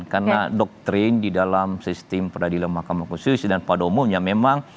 karena doktrin di dalam sistem perdana dilawar mahkamah konstitusi dan pada umumnya memang